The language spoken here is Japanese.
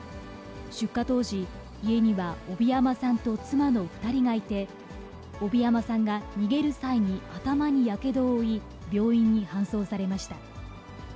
出火当時、家には帶山さんと妻の２人がいて、帶山さんが逃げる際に頭にやけどを負い、病院に搬送されました。